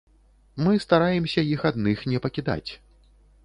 Мы стараемся іх адных не пакідаць.